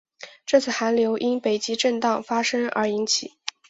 这次寒流因北极震荡发生而引起。